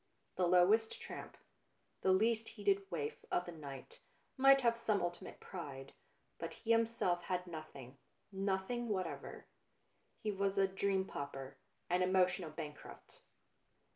The lowest tramp, the least heeded waif of the night, might have some ultimate pride, but he himself had nothing, nothing whatever. He was a dream pauper, an emotional bankrupt.